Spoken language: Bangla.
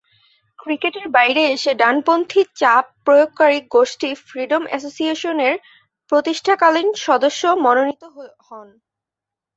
ক্রিকেটের বাইরে এসে ডানপন্থী চাপ প্রয়োগকারী গোষ্ঠী ফ্রিডম অ্যাসোসিয়েশনের প্রতিষ্ঠাকালীন সদস্য মনোনীত হন।